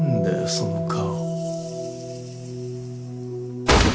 その顔。